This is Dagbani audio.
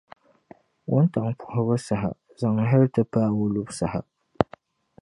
Wuntaŋ’ puhibu saha zaŋ hal ti paai o lubu saha.